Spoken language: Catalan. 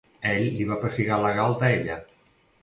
Ell li va pessigar la galta a ella.